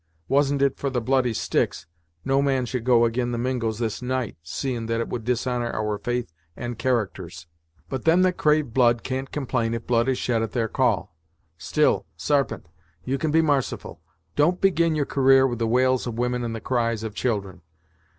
Wasn't it for the bloody sticks, no man should go ag'in the Mingos this night, seein' that it would dishonor our faith and characters; but them that crave blood can't complain if blood is shed at their call. Still, Sarpent, you can be marciful. Don't begin your career with the wails of women and the cries of children.